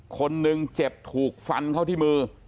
คนหนึ่งเจ็บถูกฟันเขาที่มือ